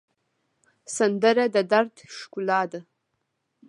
سندره د دَرد ښکلا ده